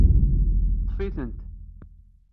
Ṭṭef-itent